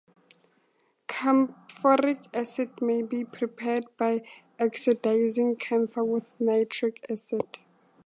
Camphoric acid may be prepared by oxidising camphor with nitric acid.